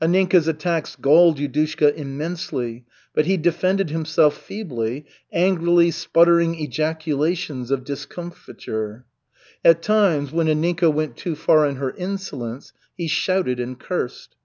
Anninka's attacks galled Yudushka immensely, but he defended himself feebly, angrily sputtering ejaculations of discomfiture. At times, when Anninka went too far in her insolence, he shouted and cursed.